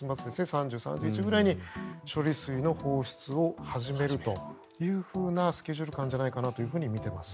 ３０、３１日ぐらいに処理水の放出を始めるというふうなスケジュール感じゃないかと見ています。